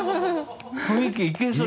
雰囲気いけそう。